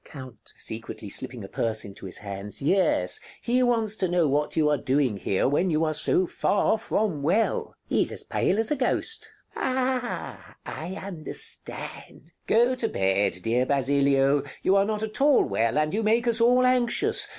Count [secretly slipping a purse into his hands] Yes: he wants to know what you are doing here, when you are so far from well? Figaro He's as pale as a ghost! Basilio Ah! I understand. Count Go to bed, dear Basilio. You are not at all well, and you make us all anxious.